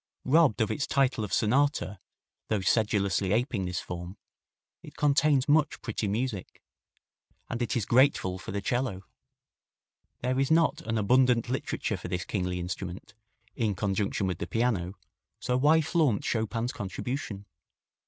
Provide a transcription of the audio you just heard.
Robbed of its title of sonata though sedulously aping this form it contains much pretty music. And it is grateful for the 'cello. There is not an abundant literature for this kingly instrument, in conjunction with the piano, so why flaunt Chopin's contribution?